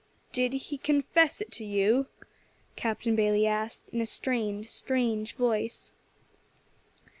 "Did he confess it to you?" Captain Bayley asked, in a strained, strange voice.